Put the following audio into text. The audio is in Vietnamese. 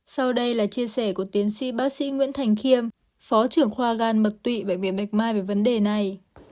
sau đây là chia sẻ của tiến sĩ bác sĩ nguyễn thành khiêm phó trưởng khoa gan mật tụy bệnh viện bạch mai về vấn đề này